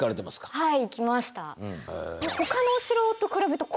はい。